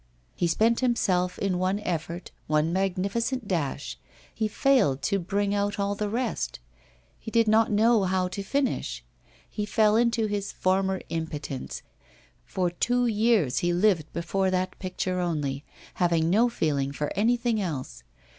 He spent himself in one effort, one magnificent dash; he failed to bring out all the rest; he did not know how to finish. He fell into his former impotence; for two years he lived before that picture only, having no feeling for anything else.